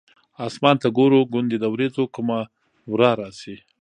اسمان ته ګورو ګوندې د ورېځو کومه ورا راشي.